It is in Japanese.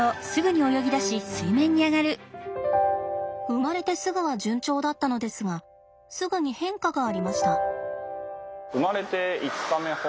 生まれてすぐは順調だったのですがすぐに変化がありました。